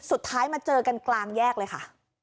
สุดท้ายมาเจอกันกลางแยกเลยค่ะ